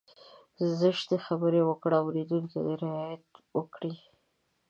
زشتې خبرې وکړي اورېدونکی دې رعايت وکړي.